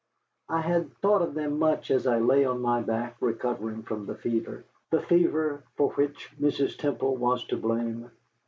I had thought of them much as I lay on my back recovering from the fever, the fever for which Mrs. Temple was to blame.